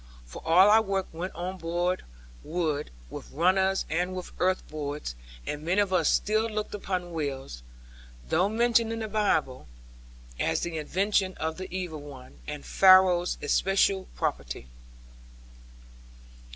For all our work went on broad wood, with runners and with earthboards; and many of us still looked upon wheels (though mentioned in the Bible) as the invention of the evil one, and Pharoah's especial property.